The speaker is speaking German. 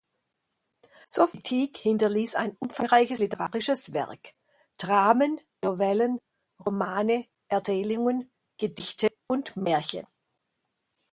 Sophie Tieck hinterließ ein umfangreiches literarisches Werk: Dramen, Novellen, Romane, Erzählungen, Gedichte und Märchen.